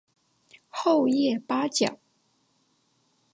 厚叶八角